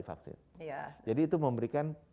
vaksin jadi itu memberikan